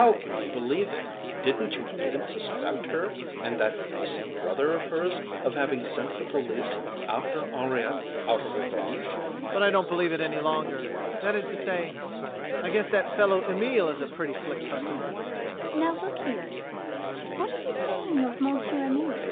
How can you believe it? Didn't you even suspect her and that decent brother of hers of having sent the police after Henriette out of revenge? MAURICE. But I don't believe it any longer that is to say, I guess that fellow Emile is a pretty slick customer. MME. CATHERINE. Now look here! What are you saying of Monsieur Emile?